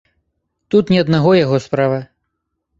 Тут не аднаго яго справа.